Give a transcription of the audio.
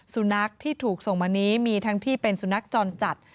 สุนัขที่ถูกส่งมานี้มีทั้งที่เป็นสุนัขจรจัด